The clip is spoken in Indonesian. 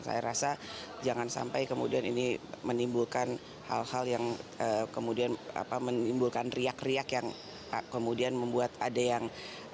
saya rasa jangan sampai kemudian ini menimbulkan hal hal yang kemudian menimbulkan riak riak yang kemudian membuat ada yang